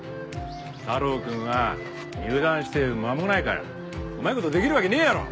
太郎くんは入団して間もないからうまい事できるわけねえやろ！